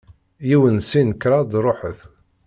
Yiwen, sin, kraḍ, ruḥet!